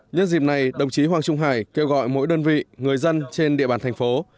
nhân dịp này đồng chí hoàng trung hải kêu gọi mỗi đơn vị người dân trên địa bàn thành phố